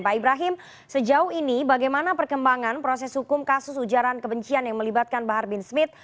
pak ibrahim sejauh ini bagaimana perkembangan proses hukum kasus ujaran kebencian yang melibatkan bahar bin smith